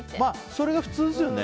それが普通ですよね。